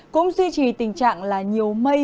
cũng duy trì tình trạng là nhiều mây